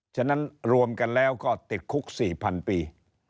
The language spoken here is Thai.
ฉะนั้นรวมกันแล้วก็ติดคุก๔๐๐๐ปี